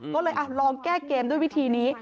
ก็เลยลองแก้เกมด้วยวิธีนี้